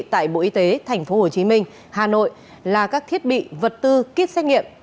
tại bộ y tế tp hcm hà nội là các thiết bị vật tư kit xét nghiệm